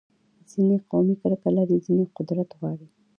ځینې قومي کرکه لري، ځینې قدرت غواړي.